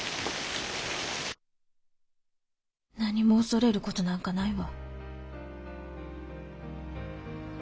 何も恐れる事なんかないわ。